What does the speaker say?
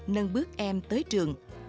nâng bước em tới trường